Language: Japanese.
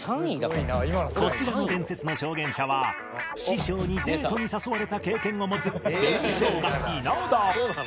こちらの伝説の証言者は師匠にデートに誘われた経験を持つ紅しょうが稲田